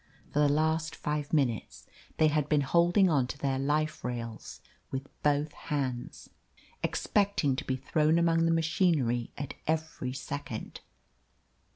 For the last five minutes they had been holding on to their life rails with both hands, expecting to be thrown among the machinery at every second.